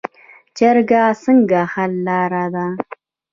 جرګه څنګه حل لاره ده؟